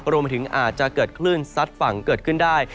รวมไปถึงอาจจะเกิดคลื่นซัดฝั่งเกิดขึ้นได้